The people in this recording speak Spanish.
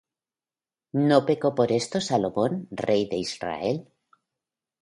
¿No pecó por esto Salomón, rey de Israel?